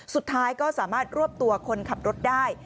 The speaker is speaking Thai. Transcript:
สุดท้ายก็สามารถรวบตัวคนขับรถได้